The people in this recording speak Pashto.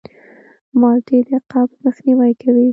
مالټې د قبض مخنیوی کوي.